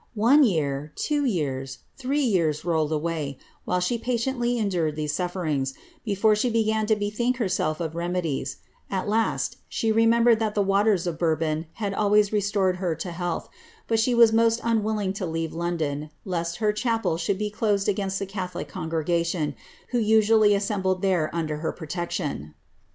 One year, two years, ree years, rolled away, while she patiently endured these sufferings, fore she began to bethink herself of remedies; at last, she remera red that the waters of Bourbon had always restored her to health, but e was most unwilling to leave London, lest her chapel should be )sed against the catholic congregation who usually assembled there der her protection.